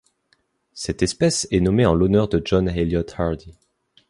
Cette espèce est nommée en l'honneur de John Eliot Hardy.